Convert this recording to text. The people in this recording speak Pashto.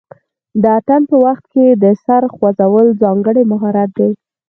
د اتن په وخت کې د سر خوځول ځانګړی مهارت دی.